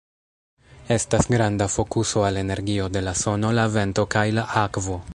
Estas granda fokuso al energio de la sono, la vento, kaj la akvo.